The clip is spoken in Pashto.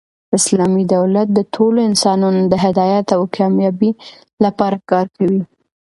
اسلامي دولت د ټولو انسانانو د هدایت او کامبابۍ له پاره کار کوي.